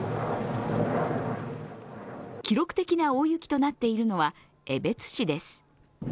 記録的な大雪となっているのは江別市です。